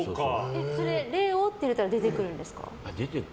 レオって打ったら出てくるんですか？